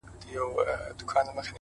ډيره مننه مهربان شاعره ـ